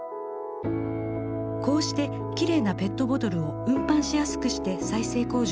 こうしてきれいなペットボトルを運搬しやすくして再生工場に運びます。